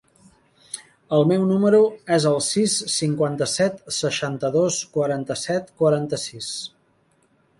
El meu número es el sis, cinquanta-set, seixanta-dos, quaranta-set, quaranta-sis.